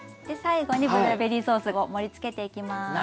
で最後にブルーベリーソースを盛りつけていきます。